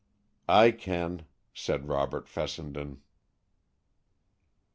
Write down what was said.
"I can," said Robert Fessenden.